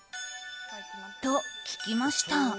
と聞きました。